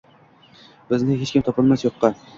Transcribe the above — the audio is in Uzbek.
Bizni hech kim topolmas yoqqa…